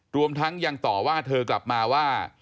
รวมทั้งยังต่อว่าเธอกลับมาว่า